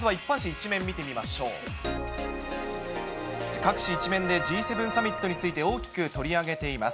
各紙１面でＧ７サミットについて、大きく取り上げています。